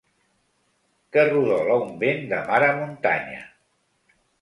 Que rodola un vent de mar a muntanya.